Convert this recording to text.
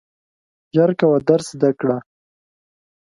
ژر کوه درس زده کړه !